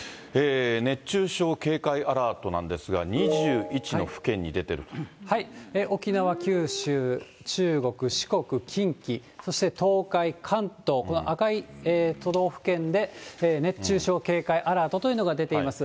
熱中症警戒アラートなんですが、沖縄、九州、中国、四国、近畿、そして東海、関東、この赤い都道府県で熱中症警戒アラートというのが出ています。